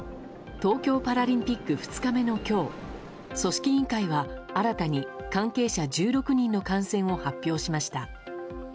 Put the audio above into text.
東京パラリンピック２日目の今日組織委員会は新たに関係者１６人の感染を発表しました。